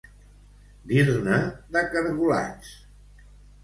Dir-ne de caragolats.